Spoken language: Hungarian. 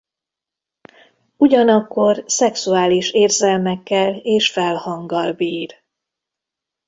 Ugyanakkor szexuális érzelmekkel és felhanggal bír.